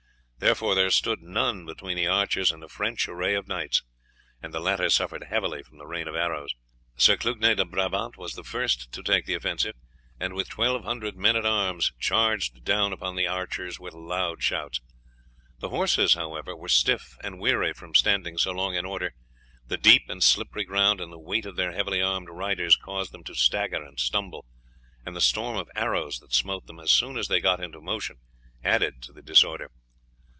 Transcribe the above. Therefore, there stood none between the archers and the French array of knights, and the latter suffered heavily from the rain of arrows. Sir Clugnet de Brabant was the first to take the offensive, and with twelve hundred men at arms charged down upon the archers with loud shouts. The horses, however, were stiff and weary from standing so long in order; the deep and slippery ground, and the weight of their heavily armed riders caused them to stagger and stumble, and the storm of arrows that smote them as soon as they got into motion added to the disorder.